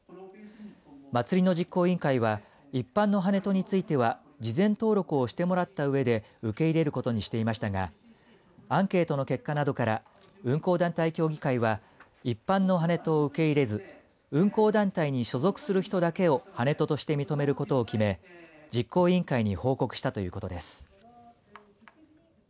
祭の実行委員会は一般のハネトについては事前登録をしてもらったうえで受け入れることにしていましたがアンケートの結果などから運行団体協議会は一般のハネトを受け入れず運行団体に所属する人だけをハネトとして認めることを決め実行委員会に報告したということです。